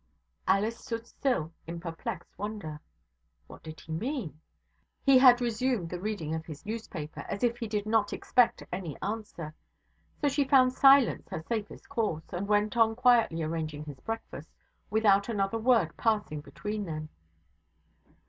Alice stood still in perplexed wonder. What did he mean? He had resumed the reading of his newspaper, as if he did not expect any answer; so she found silence her safest course, and went on quietly arranging his breakfast, without another word passing between them.